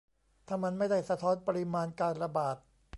ถ้ามันไม่ได้สะท้อนปริมาณการระบาด